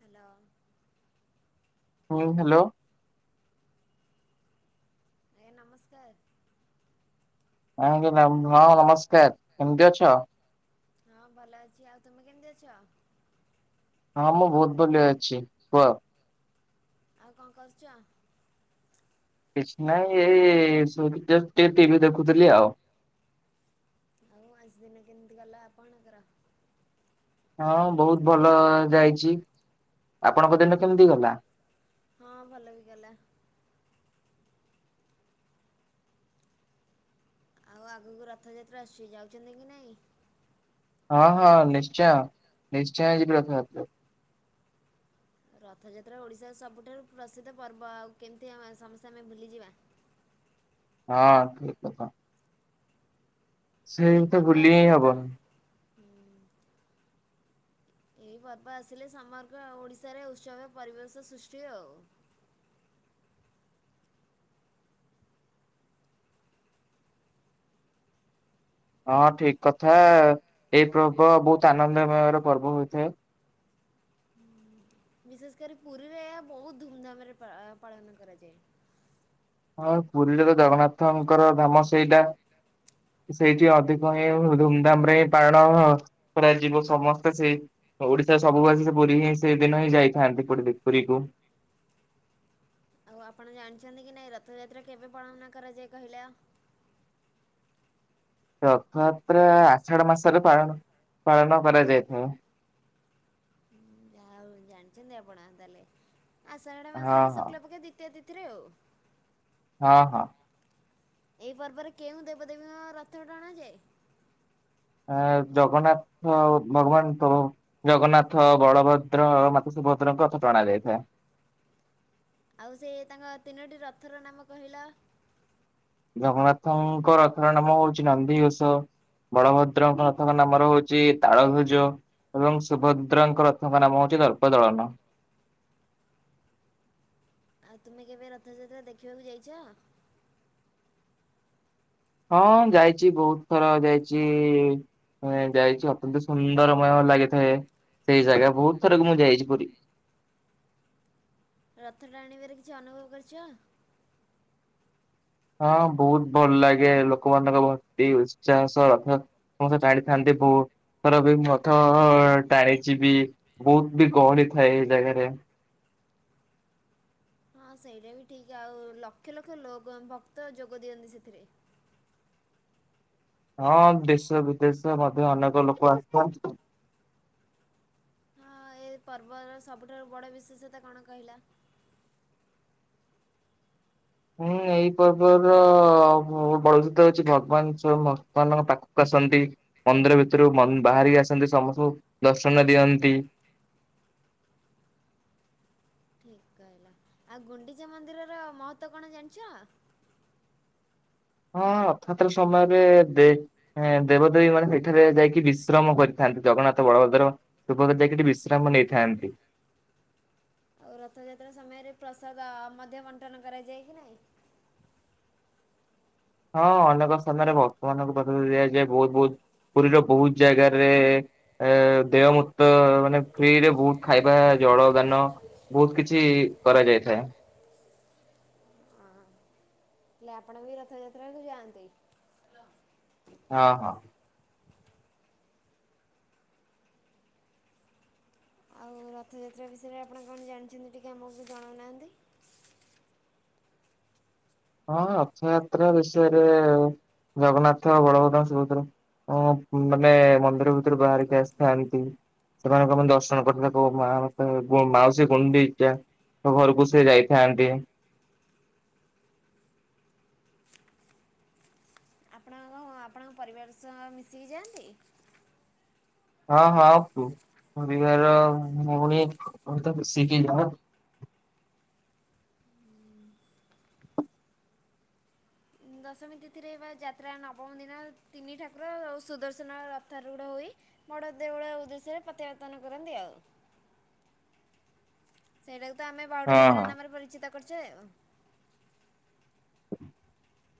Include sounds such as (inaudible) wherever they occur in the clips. Hello. ହୁଁ hello. ଆଜ୍ଞା ନମସ୍କାର। ଆଜ୍ଞା ହଁ ନମସ୍କାର କେମିତି ଅଛ? ହଁ ଭଲ ଅଛି ଆଉ ତୁମେ କେମିତି ଅଛ? ହଁ ମୁଁ ବହୁତ୍ ଭଲ ଅଛି କୁଅ? ଆଉ କଣ କରୁଚ? କିଛି ନାଇଁ ଏଇ ସୋଇକି ଜଷ୍ଟ ଟିକେ ଟିଭି ଦେଖୁଥିଲି ଆଉ। ଆଉ ଆଜି ଦିନ କେମିତି ଗଲା ଆପଣଙ୍କର? ହଁ ବହୁତ୍ ଭଲ ଯାଇଚି ଆପଣଙ୍କ ଦିନ କେମିତି ଗଲା? ହଁ ଭଲକି ଗଲା। ଆଉ ଆଗକୁ ରଥଯାତ୍ରା ଆସୁଚି ଯାଉଚନ୍ତିକି ନାଇଁ? ହଁ ହଁ ନିଶ୍ଚୟ ନିଶ୍ଚୟ ଯିବି ରଥଯାତ୍ରାକୁ। ରଥଯାତ୍ରା ଓଡ଼ିଶାର ସବୁଠାରୁ ପ୍ରସିଦ୍ଧ ପର୍ବ ଆଉ କେମିତି ଆେ ସମସ୍ତେ ଆମେ ଭୁଲିଯିବା। ହଁ ଠିକ୍ କଥା। ଏଇ ସେଇତ ପର୍ବ ଭୁଲିହିଁ ଆସିଲେ ତ ହବନି‌। ଏହି ପର୍ବ ଆସିଲେ ସମଗ୍ର ଓଡ଼ିଶାରେ ଉତ୍ସବ ପରିବେଶ ସୃଷ୍ଟି ଆଉ। ହଁ ଠିକ୍ କଥା ଏଇ ପର୍ବ ବହୁତ୍ ଆନନ୍ଦମୟର ପର୍ବ ହୋଇଥାଏ। ବିଶେଷ କରି ପୁରୀରେ ଏହା ବହୁତ ଧୁମଧାମରେ ପାଆ ପାଳନ କରାଯାଏ। ଆଉ ପୁରୀରେତ ଜଗନ୍ନାଥଙ୍କର ଧାମ ସେଇଟା। ସେଇଠି ଅଧିକ ହିଁ ଧୁମଧାମରେ ହିଁ ପାଳନ କରାଯିବ ସମସ୍ତେ ସେଇ ଓଡ଼ିଶା ସବୁବାସି ସେ ପୁରୀହିଁ ସେଦିନହିଁ ଯାଇଥାନ୍ତି ପୁରୀ ପୁରୀକୁ। ଆଉ ଆପଣ ଜାଣିଚନ୍ତିକି ନାଇଁ ରଥଯାତ୍ରା କେବେ ପଳନ କରାଯାଏ କହିଲ? ରଥଯାତ୍ରା ଆଷାଢ ମାସରେ ପାଳନ ପାଳନ କରାଯାଇଥାଏ। ଯା ହଉ ଜାଣିଚନ୍ତି ଆପଣ ତାହେଲେ ଆଷାଢ ହଁ ମାସର ହଁ ଶୁକ୍ଲାପକ୍ଷ ଦ୍ଵିତୀୟ ତିଥିରେ ଆଉ। ହଁ ହଁ। ଏଇ ପର୍ବରେ କେଉଁ ଦେବଦେବୀଙ୍କ ରଥ ଟାଣାଯାଏ? ଆ ଜଗନ୍ନାଥ ଭଗବାନ ତ ଜଗନ୍ନାଥ ବଳଭଦ୍ର ମାତା ସୁଭଦ୍ରାଙ୍କ ରଥ ଟଣା ଯାଇଥାଏ। ଆଉ ସେ ତାଙ୍କ ତିନୋଟି ରଥର ନାମ କହିଲ? ଜଗନ୍ନାଥଙ୍କ ରଥର ନାମ ହଉଚି ନନ୍ଦି ଘୋଷ। ବଳଭଦ୍ରଙ୍କ ରଥର ନାମ ହଉଚି ତାଳଭୁଜ। ଏବଂ ସୁଭଦ୍ରାଙ୍କ ରଥଙ୍କ ନାମ ହଉଚି ଦର୍ପ ଦଳନ। ଆଉ ତୁମେ କେବେ ରଥଯାତ୍ରା ଦେଖିବାକୁ ଯାଇଚ? ହଁ ଯାଇଚି ବହୁତ୍ ଥର ଯାଇଚି ଯାଇଚି ଅତ୍ୟନ୍ତ ସୁନ୍ଦରମୟ ଲାଗିଥାଏ ସେଇ ଜାଗା ବହୁତ୍ ଥରକୁ ମୁଁ ଯାଇଚି ପୁରୀ। ରଥ ଟାଣିବାର କିଛି ଅନୁଭବ କରିଚ? ହଁ ବହୁତ୍ ଭଲ ଲାଗେ ଲୋକମାନଙ୍କ ଭକ୍ତି ଉତ୍ସାହ ସହ ରଥ ମୁତ ଜାଣି (unintelligible) ବୋ ତାଙ୍କରର ବି ରଥ ଟାଣିଛି ବି ବହୁତ ବି ଗହଳି ଥାଏ ଏଇ ଜାଗାରେ। ହଁ ସେଇଟା ବି ଠିକ। ଆଉ ଲକ୍ଷ ଲକ୍ଷ ଲୋକ ଭକ୍ତ ଯୋଗ ଦିଅନ୍ତି ସେଥିରେ। ହଁ ଦେଶ ବିଦେଶ ମଧ୍ୟ ଅନେକ ଲୋକ ଆସିଥାନ୍ତି। ହଁ ଏ ପର୍ବର ସବୁଠାରୁ ବଡ ବିଶେଷତା କଣ କହିଲ? ହୁଁ ଏଇ ପର୍ବ ର ବଡ଼ ବିଶେଷତା ହଉଛି ଭଗବାନ ସ୍ୱୟଂ ଭକ୍ତମାନଙ୍କ ପାଖକୁ ଆସନ୍ତି। ମନ୍ଦିର ଭିତରୁ ବାହାରିକି ଆସନ୍ତି ସମସ୍ତଙ୍କୁ ଦର୍ଶନ ଦିଅନ୍ତି। ଠିକ୍ କହିଲ, ଆଉ ଗୁଣ୍ଡିଚା ମନ୍ଦିରର ମହତ୍ତ୍ଵ କଣ ଜାଣିଛ? ହଁ ରଥଯାତ୍ରା ସମୟରେ ଦେ ଏଁ ଦେବଦେବୀ ମାନେ ସେଠାରେ ଯାଇକି ବିଶ୍ରମ କରିଥାନ୍ତି। ଜଗନ୍ନାଥ ବଳଭଦ୍ର ସୁଭଦ୍ରା ଯାଇକି ସେଠି ବିଶ୍ରାମ ନେଇଥାନ୍ତି। ଆଉ ରଥଯାତ୍ରା ସମୟରେ ପ୍ରସାଦ ମଧ୍ୟ ବଣ୍ଟନ କରାଯାଏ କି ନାହିଁ? ହଁ ଅନେକ ସ୍ଥାନରେ ଭକ୍ତମାନଙ୍କ ପାଖକୁ ଦିଆଯାଏ ବହୁତ ବହୁତ ପୁରୀ ର ବହୁତ ଜାଗାରେ ଏ ଦେୟ ମୁକ୍ତ ମାନେ ଫ୍ରିରେ ବହୁତ ଖାଇବା ଜଳ ଗାନ ବହୁତ କିଛି କରାଯାଇଥାଏ। ହଁ। ହେଲେ ଆପଣ ବି ରଥଯାତ୍ରାକୁୁ ଯାଆନ୍ତି? ହଁ -ହଁ। ଆଉ ରଥଯାତ୍ରା ବିଷୟରେ ଆପଣ କଣ ଜାଣିଚନ୍ତି ଟିକେ ଆମକୁ ଜଣଉନାହାନ୍ତି? ହଁ ରଥଯାତ୍ରା ବିଷୟରେ ଜଗନ୍ନାଥ, ବଳଭଦ୍ର, ସୁଭଦ୍ରା ଅଁ ମାନେ ମନ୍ଦିର ଭିତରୁ ବାହାରିକି ଆସିଥାନ୍ତି। ସେମାନଙ୍କ ଦର୍ଶନ କରି (unintelligible) ତା ମା ମତେ ମାଉସୀ ଗୁଣ୍ଡିଚା ଙ୍କ ଘରୁକୁ ସେ ଯାଇଥାନ୍ତି। ହଁ ଆପଣଙ୍କ ପରିବାର ସହ ମିଶିକି ଯାଆନ୍ତି? ହଁ, ହଁ, ପରିବାର ଭଉଣୀ ସହିତ ମିଶିକି ଯାଉ। ଦଶମୀ ତିଥିରେ ବା ଯାତ୍ରା ନବମ ଦିନ ତିନି ଠାକୁର ଓ ସୁଦର୍ଶନ ରଥାରୂ଼ଢ ହୋଇ ବଡ଼ ଦେଉଳ ଉଦ୍ଦେଶ୍ୟରେ ପତ୍ୟାବର୍ତ୍ତନ କରନ୍ତି ଆଉ। ସେଇଟାକୁ ତ ଆମେ ବହୁଡା ହଁ ଯାତ୍ରା ହଁ ନାମରେ ପରିଚିତ କରିଛେ ଆଉ।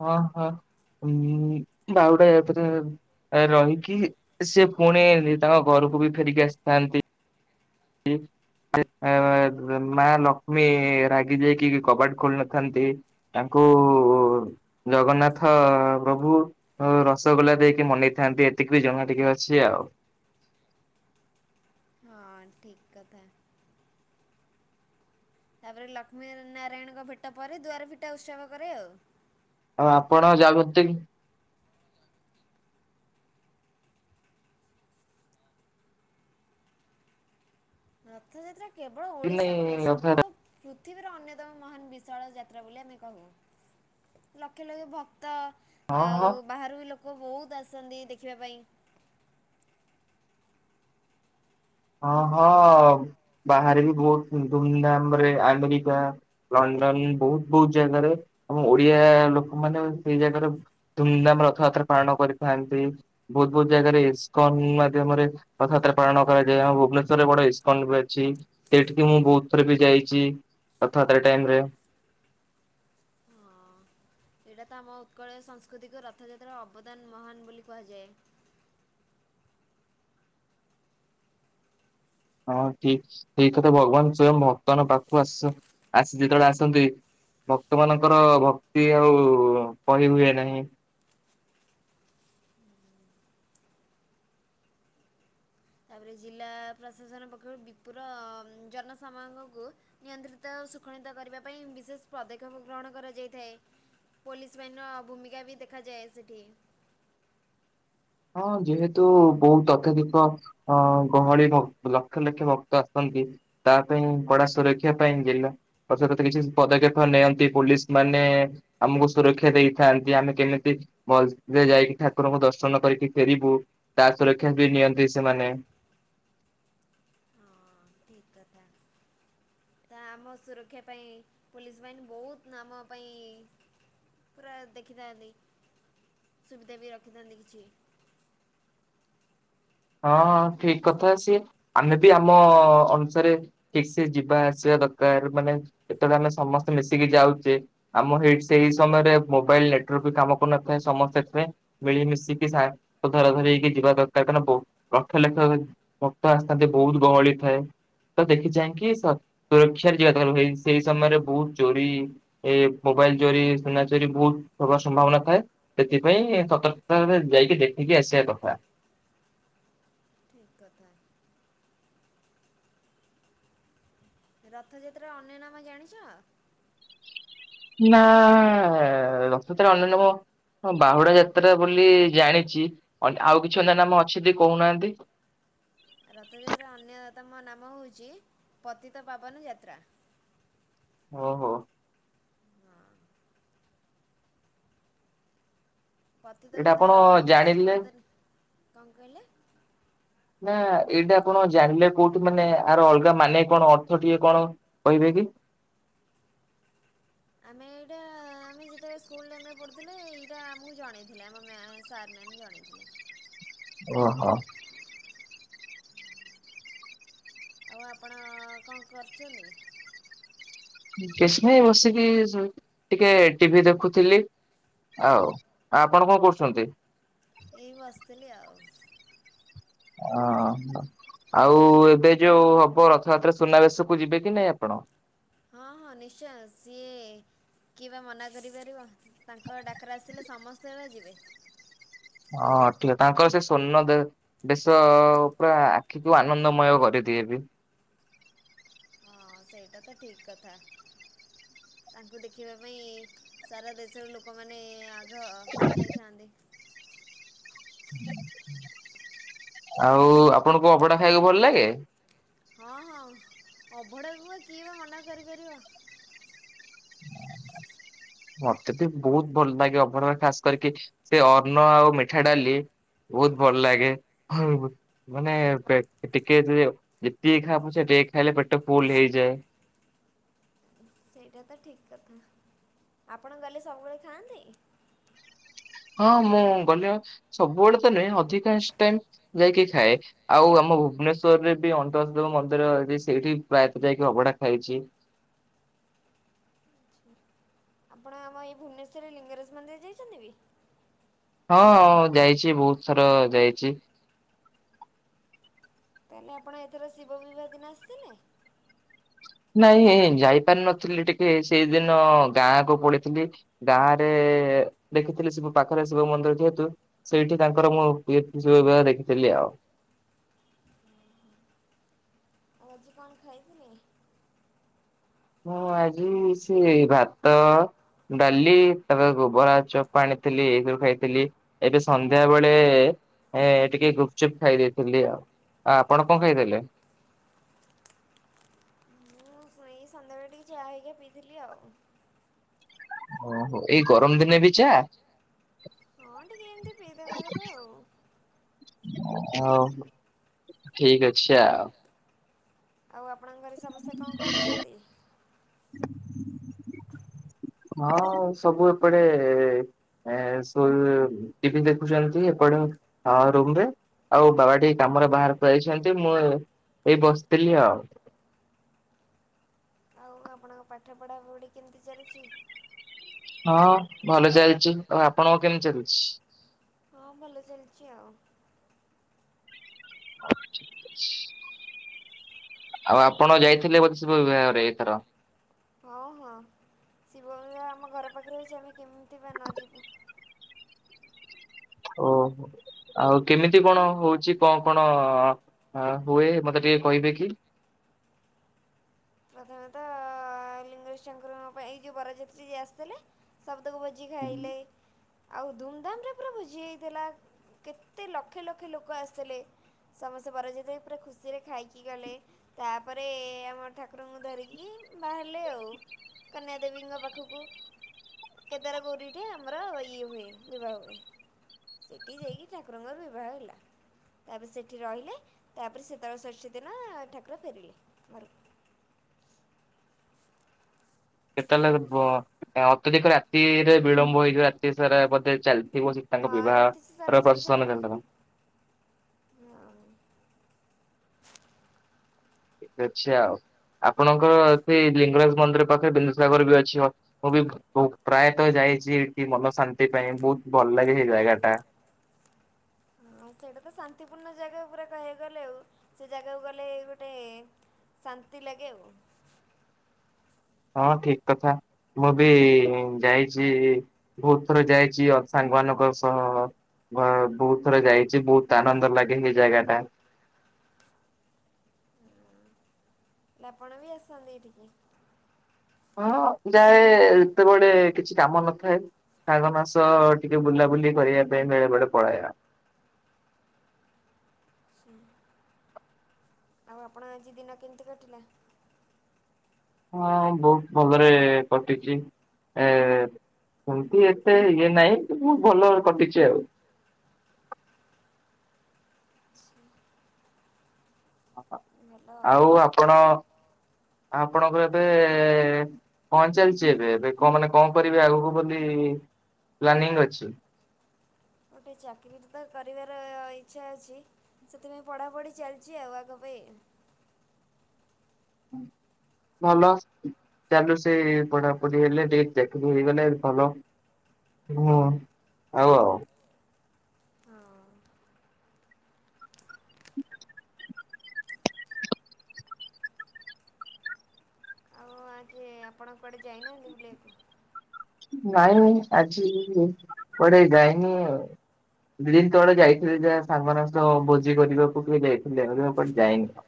ହଁ, ହଁ ଉଁ ବାହୁଡା଼ ଯାତ୍ରା ରହିକି ସିଏ ପୁଣି ତାଙ୍କ ଘରକୁ ବି ଫେରିକି ଆସିଥାନ୍ତି। ଇ ଏଁ ମା ଲକ୍ଷ୍ମୀ ରାଗି ଯାଇକି କବାଟ ଖୋଲି ନଥାନ୍ତି। ତାଙ୍କୁ ଜଗନ୍ନାଥ ପ୍ରଭୁ ହଁ ରସଗୋଲା ଦେଇକି ମନେଇଥାନ୍ତି ଏତିକି ବି ଜଣା ଟିକେ ଅଛି ଆଉ। ହଁ ଠିକ୍ କଥା। ତାପରେ ଲକ୍ଷ୍ମୀ ନାରାୟଣଙ୍କ ଭେଟ ପରେ ଦୁଆର ଫିଟା ଉତ୍ସବ କରେ ଆଉ। ଆଉ ଆପଣ ଯାଗୃତିଂ ରଥଯାତ୍ରା କେବଳ କି ଓଡ଼ିଶା ନାଇଁ ନୁହେଁ ରଥଯାତ୍ରା? ସମର୍ଗ ପୃଥିବୀର ଅନ୍ୟତମ ମହାନ୍ ବିଶାଳ ଯାତ୍ରା ବୋଲି ଆମେ କହୁ। ଲକ୍ଷ ଲକ୍ଷ ଭକ୍ତ ହଁ ହଁ ଆଉ ବାହାରୁ ବି ଲୋକ ବହୁତ ଆସନ୍ତି ଦେଖିବା ପାଇଁ। ହଁ ହଁ ବାହାରେ ବି ବହୁତ ଧୁମଧାମ ରେ ଆମେରିକା ଲଣ୍ଡନ୍ ବହୁତ ବହୁତ ଜାଗାରେ ଆମ ଓଡିଆ ଲୋକମାନେ ସେଇ ଜାଗାରେ ଧୁମଧାମ୍ ରଥଯାତ୍ରା ପାଳନ କରିଥାନ୍ତି। ବହୁତ୍ ବହୁତ୍ ଜାଗାରେ ଇସ୍କନ ମାଧ୍ୟମରେ ରଥଯାତ୍ରା ପାଳନ କରାଯା ଏ ଆମ ଭୁବନେଶ୍ଵରରେ ବଡ ଇସ୍କନ୍ ବି ଅଛି। ସେଇଠିକି ମୁଁ ବହୁତ ଥର ବି ଯାଇଚି। ରଥଯାତ୍ରା ଟାଇମ ରେ। ହଁ। ଏଇଟା ତ ଆମ ଉତ୍କଳୀୟ ସାଂସ୍କୃତିକ ରଥଯାତ୍ରାର ଅବଦାନ ମହାନ ବୋଲି କୁହାଯାଏ। ହଁ ଠିକ ସେଇ କଥା ଭଗବାନ ସ୍ଵୟଂ ଭକ୍ତ ମାନଙ୍କ ପାଖକୁ ଆସ ଆସି ଯେତେବେଳେ ଆସନ୍ତି ଭକ୍ତ ମାନଙ୍କର ଭକ୍ତି ଆଉ କହି ହୁଏ ନାହିଁ। ତାପରେ ଜିଲ୍ଲା ପ୍ରଶାସନ ପକ୍ଷରୁ ବିପୁୁର ଜନସାମାଗକୁ ନିୟନ୍ତ୍ରିତ ଶୃଖଣିତ କରିବା ପାଇଁ ବିଶେଷ ପଦକ୍ଷେପ ଗ୍ରହଣ କରାଯାଇଥାଏ। ପୋଲିସ ବାହିନୀର ଭୂମିକା ବି ଦେଖାଯାଏ ସେଠି। ହଁ ଯେହେତୁ ବହୁତ ଅତ୍ୟଧିକ ଅଁ ଗହଳି ଭ ଲକ୍ଷ ଲକ୍ଷ ଭକ୍ତ ଆସନ୍ତି ତା ପାଇଁ କଡା ସୁରକ୍ଷା ପାଇଁ ଜିଲ୍ଲା କିଛି ପଦକ୍ଷେପ ନିଅନ୍ତି ପୋଲିସ ମାନେ ଆମକୁ ସୁରକ୍ଷା ଦେଇଥାନ୍ତି ଆମେ କେମିତି ଭଲ୍ ସେ ଯାଇକି ଠାକୁରଙ୍କୁ ଦର୍ଶନ କରି କି ଫେରିବୁ ତା ସୁରକ୍ଷା ବି ନିଅନ୍ତି ସେମାନେ। ଠିକ କଥା। ତା ଆମ ସୁରକ୍ଷା ପାଇଁ ପୋଲିସ୍ ବାହିନୀ ବହୁତ୍ ଆମ ପାଇଁ ପୁରା ଦେଖିଥାନ୍ତି ସୁବିଧା ବି ରଖିଥାନ୍ତି କିଛି। ହଁ- ହଁ ଠିକ୍ କଥା ସିଏ ଆମେ ବି ଆମ ଅନୁସାରେ ଠିକ୍ ସେ ଯିବା ଆସିବା ଦରକାର୍ ମାନେ ଯେତେବେଳେ ଆମେ ସମସ୍ତେ ମିଶିକି ଯାଉଚେ ଆମ ହେଇଟ୍- ସେଇ ସମୟରେ ମୋବାଇଲ୍ ନେଟୱାର୍କ ବି କାମ କରୁନଥାଏ ସମସ୍ତେ ଏଥିପାଇଁ ମିଳିମିଶିକି ସା-ଧରା ଧରି ହେଇକି ଯିବା ଦରକାର୍ କାରଣ ବହୁ ଲକ୍ଷ ଲକ୍ଷ ଭକ୍ତ ଆସିଥାନ୍ତି ବହୁତ୍ ଗହଳି ଥାଏ। ତ ଦେଖି ଚାହିଁକି ସ-ସୁରକ୍ଷାରେ ଯିବା ଜରୁରୀ ସେଇ ସମୟରେ ବହୁତ୍ ଚୋରି ଏ ମୋବାଇଲ୍ ଚୋରି ସୁନା ଚୋରି ବହୁତ୍ ହବାର ସମ୍ଭାବନା ଥାଏ। ସେଥିପାଇଁ ସତର୍କତାରେ ଯାଇକି ଦେଖିକି ଆସିବା କଥା। ଠିକ୍ କଥା। ରଥଯାତ୍ରାର ଅନ୍ୟ ନାମ ଜାଣିଚ? ନା ରଥଯାତ୍ରାର ଅନ୍ୟ ନାମ ହଁ ବାହୁଡା ଯାତ୍ରା ବୋଲି ଜାଣିଚି ଅନ୍ -ଆଉ କିଛି ଅନ୍ୟ ନାମ ଅଛି ଯଦି କହୁନାହାନ୍ତି। ରଥଯାତ୍ରାର ଅନ୍ୟତମ ନାମ ହଉଚି ପତିତ ପାବନ ଯାତ୍ରା। ଓହୋ। ହଁ। ପତିତ ଏଇଟା ଆପଣ ଉଦ୍ଧାର ଜାଣିଲେ ଅଶ୍ୱତନି କଣ କହିଲେ? ନା ଏଇଟା ଆପଣ ଜାଣିଲେ କଉଠୁ ମାନେ ଆର ଅଲଗା ମାନେ କଣ ଅର୍ଥ ଟିକେ କଣ କହିବେ କି? ଆମେ ଏଇଟା ଆମେ ଯେତେବେଳେ ସ୍କୁଲ୍ ଟାଇମ୍ ରେ ପଢୁଥିଲେ ଏଇଟା ଆମକୁ ଜଣେଇଥିଲେ ଆମ ମ୍ୟା ସାର୍। ମ୍ୟାମ୍ ଜଣେଇଥିଲେ। ଓହୋ। ଆଉ ଆପଣ କଣ କରୁଚନ୍ତି? କିଛି ନାଇ ବସିକି ସି- ଟିକେ ଟିଭି ଦେଖୁଥିଲି। ଆଉ ଆପଣ କଣ କରୁଛନ୍ତି? ଏଇ ବସିଥିଲି ଆଉ। ଅ ହ। ଆଉ ଏବେ ଯଉ ହବ ରଥଯାତ୍ରା ସୁନାବେଶ କୁ ଯିବେ କି ନାଇଁ ଆପଣ? ହଁ ହଁ ନିଶ୍ଚୟ ସିଏ କିଏ ବା ମନା କରିପାରିବ ତାଙ୍କ ଡାକରା ଆସିଲେ ସମସ୍ତେ ବା ଯିବେ। ହଁ ଠିକ କଥା ତାଙ୍କର ସେ ସ୍ଵର୍ଣ୍ଣ ଦେ ବେଶ ପୁରା ଆଖିକୁ ଆନନ୍ଦମୟ କରିଦିଏ ବି। ହଁ ସେଇଟା ତ ଠିକ୍ କଥା ତାଙ୍କୁ ଦେଖିବା ପାଇଁ ସାରା ଦେଶର ଲୋକମାନେ ଆଘ ଯାଇଥାନ୍ତି। (unintelligible) ଆଉ ଆପଣଙ୍କୁ ଅଭଡା ଖାଇବାକୁ ଭଲ୍ ଲାଗେ? ହଁ -ହଁ ଅଭଡ଼ାକୁ ବା କିଏ ବା ମନା କରିପାରିବ। (unintelligible) ମତେ ବି ବହୁତ୍ ଭଲ ଲାଗେ ଅଭଡା ରେ ଖାସ୍ କରିକି ସେ ଅନ୍ନ ଆଉ ମିଠା ଡାଲି। ବହୁତ୍ ଭଲ ଲାଗେ (unintelligible) ମାନେ ଟେ-ଟିକେ ଯେ-ଯେତିକି ଖା ପଛେ ଟିକେ ଖାଇଲେ ପେଟ ଫୁଲ୍ ହେଇଯାଏ। ସେଇଟା ତ ଠିକ୍ କଥା ଆପଣ ଗଲେ ସବୁବେଳେ ଖାଆନ୍ତି? ହଁ ମୁଁ ଗଲେ ସବୁବେଳେ ତ ନୁହେଁ ଅଧିକାଂଶ ଟାଇମ୍ ଯାଇକି ଖାଏ। ଆଉ ଆମ ଭୁବନେଶ୍ୱରରେ ବି ଅନ୍ଦର୍ ମନ୍ଦିର ଅଛି ସେଇଠି ପ୍ରାୟତ ଯାଇକି ଅଭଡ଼ା ଖାଇଚି। ଆପଣ ଆମ ଏଇ ଭୁବନେଶ୍ୱରରେ ଲିଙ୍ଗରାଜ୍ ମନ୍ଦିର ଯାଇଚନ୍ତି ବି? ହଁ ଯାଇଚି ବହୁତ ଥର ଯାଇଚି। ତାହେଲେ ଆପଣ ଏଥର ଶିବବିିବାହ ଦିନ ଆସିଥିଲେ? ନାଇଁ ଯାଇପାର ନଥିଲି ଟିକେ ସେଇଦିନ ଗାଁକୁ ପଳେଇଥିଲି। ଗାଁ ରେ ଦେଖିଥିଲି ଶିବ ପାଖରେ ଶିବ ମନ୍ଦିର ଯେହେତୁ ସେଇଠି ତାଙ୍କର ମୁଁ ଏ ଶିବବିିବାହ ଦେଖିଥିଲି ଆଉ। ଆଉ ଆଜି କଣ ଖାଇଥିଲି ହଁ ଆଜି ସେ ଭାତ ଡାଲି ତାପରେ ଗୋବରା ଚପା ଆଣିଥିଲି ଏଇ ସବୁ ଖାଇଥିଲି। ଏବେ ସନ୍ଧ୍ୟା ବେଳେ ଏ ଟିକେ ଗୁପଚୁପ୍ ଖାଇ ଦେଇେଇଥିଲି ଆଉ। ଆ ଆପଣ କଣ ଖାଇଥିଲେ। ମୁଁ ଏଇ ସନ୍ଧ୍ୟାବେଳେ ଟିକିେ ଚାହା ହେଇକି ପିଇଥିଲି ଆଉ। ଓହୋ ଏଇ ଗରମ ଦିନେ ବି ଚା। ହଁ ଟିକିଏ ଏମିତି ପିଇଦବା କଥା ଆଉ। ହଉ ଠିକ ଅଛି ଆଉ। ଆଉ ଆପଣ ଘରେ ସମସ୍ତେ କଣ କରୁଛନ୍ତି। (unintelligible) ହଁ ସବୁ ଏପଟେ ଏ ଟିଭି ଦେଖୁଛନ୍ତି ଏପଟ ରୁମରେ ଆଉ ବାବା ଟିକେ କାମରେ ବାହାରକୁ ଯାଇଛନ୍ତି ମୁଁ ଏଇ ବସିଥିଲି ଆଉ। ଆଉ ଆପଣଙ୍କ ପାଠ ପଢ଼ା ପଢ଼ି କେମିତି ଚାଲିଛି। ହଁ ଭଲ ଚାଲିଛି ଆଉ ଆପଣଙ୍କ କେମିତି ଚାଲିଛି। ହଁ ଭଲ ଚଲ୍ଚି ଆଉ ହଉ ଠିକ ଅଛି। (unintelligible) ଆଉ ଆପଣ ଯାଇଥିଲେ ବୋଧେ ଶିବବିବାହରେ ଏଇଥର ହଁ ହଁ ଶିବ ମନ୍ଦିର ଆମ ଘର ପାଖରେ ଅହିଛି ଆମେ କେମିତି ବା ନ ଯିବୁ। ଓ ହ। ଆଉ କେମିତି କଣ ହଉଛି କଣ କଣ ହୁଏ ମତେ ଟିକେ କହିବେ କି। ପ୍ରଥମେତ ଲିଙ୍ଗରେଜଙ୍କର ପାଇଁ ଏ ଯେୋଉଁ ବରଯାତ୍ରୀ ଯ ଆସିଥିଲେ ସବୁଦକୁ ବ ଜିି ଖାଇଲେ। ଆଉ ଧୁମଧାମରେ ପୁରା ଭୋଜି ହେଇଥିଲା କେତେ ଲକ୍ଷେ ଲକ୍ଷେ ଲୋକ ଆସିଥିଲେ। ସମସ୍ତେ ବର ଯୋଇଥିଲେ ପୁରା ଖୁସିରେ ଖାଇକି ଗଲେ ତାପରେ ଆମ ଠାକୁରଙ୍କୁ ଧରିକି ବାହାରିଲେ ଆଉ କନ୍ୟାଦେବୀଙ୍କ ପାଖକୁ କେଦାର ଗୌରୀରେ ଆମର ଇଏ ହୁଏ ବିବାହ ହୁଏ। ସେଠି ଯାଇକି ଠାକୁରଙ୍କର ବିବାହ ହେଲା। ତାପରେ ସେଠି ରହିଲେ ତାପରେ ଶୀତଳଷଷ୍ଠୀ ଦିନ ଠାକୁର ଫେରିଲେ ଘରୁକୁ। କେତେବେଳେ ଅତ୍ୟଧିକ ରାତିରେ ବିଳମ୍ବ ହେଇଯିବ ରାତି ସାରା ବୋଧେ ଚାଲିଥିବ ସେ ତାଙ୍କ ହଁ ରାତିଚ ସାରା ବିବାହର ଚାଲିଥିଲା ପ୍ରଶସନ କେନ୍ଦ୍ର ହଁ। ଏତେ ଅଛି ଆଉ ଆପଣଙ୍କର ସେ ଲିଙ୍ଗରାଜ ମନ୍ଦିର ପାଖରେ ବିନ୍ଦୁସାଗର ଘର ବି ଅଛି ମୁଁ ବି ପ୍ରାୟତଃ ଯାଇଛି ଏଠି ମନ ଶାନ୍ତି ପାଇଁ ବହୁତ ଭଲ ଲାଗେ ସେ ଜାଗା ଟା। ହ ସେଇଟା ତ ଶାନ୍ତିପୂର୍ଣ୍ଣ ଜାଗା ଉପରେ କହିବାକୁ ଗଲେ ଆଉ ସେ ଜାଗାକୁ ଗଲେ ଗୋଟେ ଶାନ୍ତି ଲାଗେ ଆଉ। ହଁ ଠିକ କଥା ମୁଁ ବି ଯାଇଛି। ବହୁତ ଥର ଯାଇଛି ସାଙ୍ଗମାନାନଙ୍କ ସହ ବହୁତ ଥର ଯାଇଛି ବହୁତ ଆନନ୍ଦ ଲାଗେ ସେଇ ଜାଗା ଟା। ଲାପଣ ବି ଆସନ୍ତି ଏଠିକି। ହଁ ଯାଏ ଏତେବେଳେ କିଛି କାମ ନଥାଏ। ସାଙ୍ଗ ମାସ ଟିକେ ବୁଲାବୁଲି କରିବା ପାଇଁ ବେଳେ ବେଳେ ପଳେଇବା। ହ ଆଉ ଆପଣ ଆଜି ଦିନ କେମିତି କଟିଲା? ହଁ ବହୁତ ଭଲରେ କଟିଛି ଏ ସେମତି ଏତେ ଇଏ ନାହିଁ କି ମୁଁ ଭଲ କଟିଛି ଆଉ। ଆଉ ଆପଣ ଆପଣଙ୍କ ଏବେ ପହଞ୍ଚାଲିଛି ଏବେ ଏବେ କଣ ମାନେ କଣ କରିବେ ଆଗକୁ ବୋଲି ପ୍ଲାନିଂଙ୍ଗ ଅଛି। ଗୋଟେ ଚାକିରି ତ କରିବାର ଇଚ୍ଛା ଅଛି। ସେଥିପାଇଁ ପଢ଼ାପଢ଼ି ଚାଲିଛି ଆଉ ଆଗ ପାଇଁ (inaudible) ଭଲ ଚାଲୁ ସେ ପଢାପଢି ହେଲେ ଚାକି ହେଇଗଲେ ଭଲ। ହୁଁ ଆଉ ଆଉ। ହଁ। ସେ ଆପଣ କୁଆଡ଼େ ଯାଇନାହାନ୍ତି ବୁଲିବାକୁ। ନାଇଁ ମୁଁ ଆଜି କୁଆଡ଼େ ଯାଇନି। ଦି ଦିନ୍ ତଳେ ଯାଇଥିଲି ଯା ସାଙ୍ଗମାନଙ୍କ ସହ ଭୋଜି କରିବାକୁ ଟିକେ ଯାଇଥିଲି ଏବେ କୁଆଡ଼େ ଆଉ ଯାଇନି।